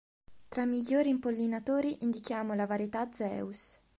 Tra i migliori impollinatori indichiamo la varietà Zeus.